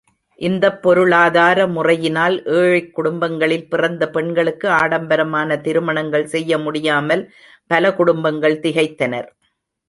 இந்த பொருளாதார முறையினால் ஏழைக் குடும்பங்களில் பிறந்த பெண்களுக்கு ஆடம்பரமான திருமணங்கள் செய்ய முடியாமல் பல குடும்பங்கள் திகைத்தனர்.